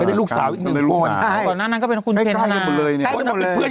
ก็ได้ลูกสาวอีกนึง